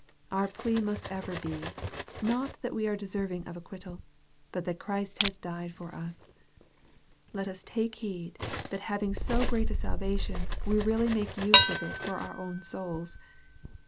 Our plea must ever be, not that we are deserving of acquittal, but that Christ has died for us. Let us take heed, that having so great a salvation we really make use of it for our own souls.